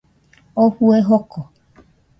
Oo fue joko